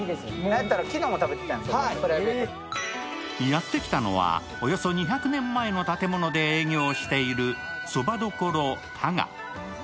やってきたのは、およそ２００年前の建物で営業しているそば処多賀。